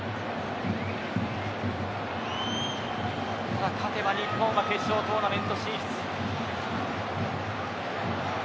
ただ、勝てば日本は決勝トーナメント進出。